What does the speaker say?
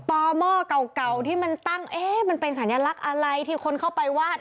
หม้อเก่าที่มันตั้งเอ๊ะมันเป็นสัญลักษณ์อะไรที่คนเข้าไปวาด